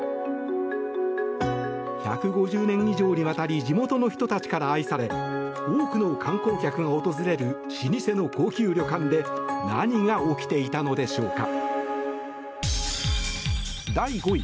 １５０年以上にわたり地元の人たちから愛され多くの観光客が訪れる老舗の高級旅館で何が起きていたのでしょうか。